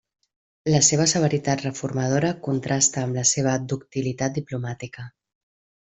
La seva severitat reformadora contrasta amb la seva ductilitat diplomàtica.